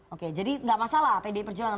oke jadi enggak masalah pd perjuangan